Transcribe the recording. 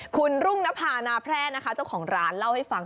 คุณรุ่งนภานาแพร่นะคะเจ้าของร้านเล่าให้ฟัง